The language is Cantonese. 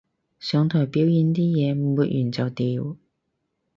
上台表演啲嘢抹完就掉